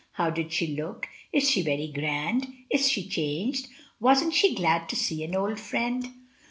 How did she look? Is she very grand? Is she changed? Wasn't she glad to see an. old friend?"